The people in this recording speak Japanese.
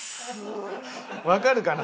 わかるかな？